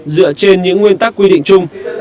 dựa trên những nguyên tắc quy định chung